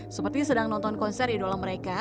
seperti sedang nonton konser idola mereka